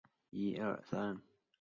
梁中庸初仕北凉段业。